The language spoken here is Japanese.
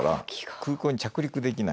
空港に着陸できないんですよ。